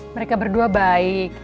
mereka berdua baik